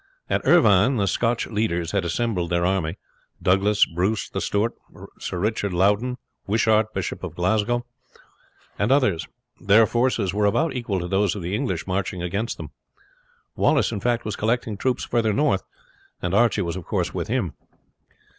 At Irvine the Scotch leaders had assembled their army Douglas, Bruce, The Steward, Sir Richard Loudon, Wishart, Bishop of Glasgow, and others. Their forces were about equal to those of the English marching against them. Wallace was collecting troops further north, and Archie was of course with him.